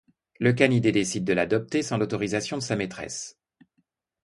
Le canidé décide de l'adopter sans l'autorisation de sa maîtresse.